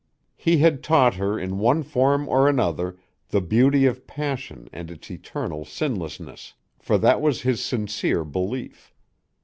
He had taught her in one form or another the beauty of passion and its eternal sinlessness, for that was his sincere belief.